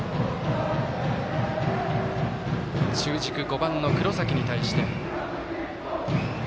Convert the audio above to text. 中軸、５番の黒崎に対して。